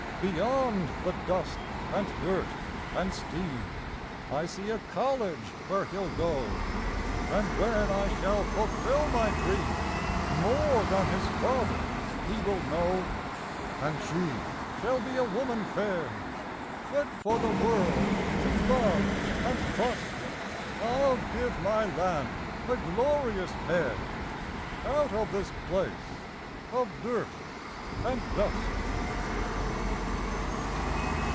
Beyond the dust and dirt and steam I see a college where he'll go; And when I shall fulfill my dream, More than his father he will know; And she shall be a woman fair, Fit for the world to love and trust I'll give my land a glorious pair Out of this place of dirt and dust.